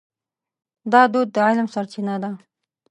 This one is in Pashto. دا دود د علم سرچینه ده.